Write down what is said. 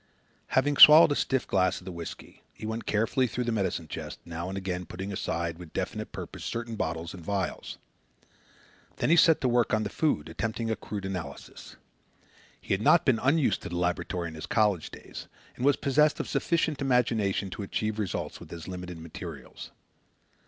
Having swallowed a stiff glass of the whisky, he went carefully through the medicine chest, now and again putting aside, with definite purpose, certain bottles and vials. Then he set to work on the food, attempting a crude analysis. He had not been unused to the laboratory in his college days and was possessed of sufficient imagination to achieve results with his limited materials.